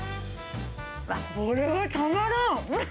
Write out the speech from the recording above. これはたまらん！